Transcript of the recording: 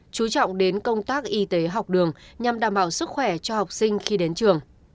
chú trọng đến công tác y tế học đường nhằm đảm bảo sức khỏe cho học sinh khi đến trường